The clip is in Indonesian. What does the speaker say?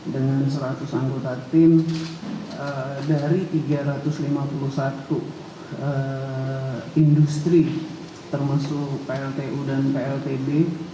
dengan seratus anggota tim dari tiga ratus lima puluh satu industri termasuk pltu dan pltb